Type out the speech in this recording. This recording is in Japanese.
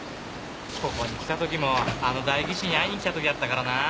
ここに来たときもあの代議士に会いにきたときだったからなぁ。